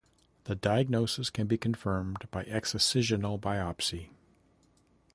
The diagnosis can be confirmed by excisional biopsy.